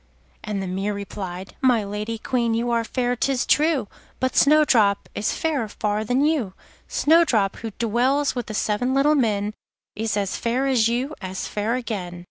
and the mirror replied: 'My Lady Queen, you are fair, 'tis true, But Snowdrop is fairer far than you. Snowdrop, who dwells with the seven little men, Is as fair as you, as fair again.